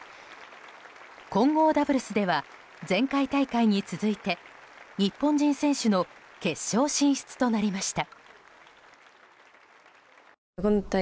混合ダブルスでは前回大会に続いて日本人選手の決勝進出となりました。